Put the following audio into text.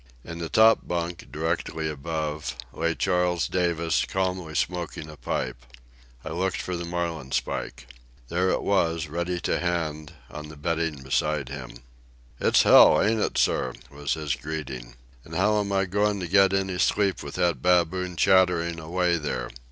In the top bunk, directly above, lay Charles Davis, calmly smoking a pipe. I looked for the marlin spike. There it was, ready to hand, on the bedding beside him. "It's hell, ain't it, sir?" was his greeting. "And how am I goin' to get any sleep with that baboon chattering away there.